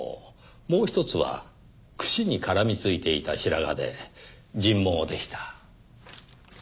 もう一つはくしに絡み付いていた白髪で人毛でした。